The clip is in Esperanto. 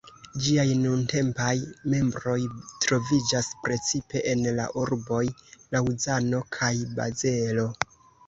Ĝiaj nuntempaj membroj troviĝas precipe en la urboj Laŭzano kaj Bazelo.